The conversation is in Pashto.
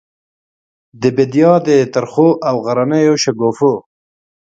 د بیدیا د ترخو او غرنیو شګوفو،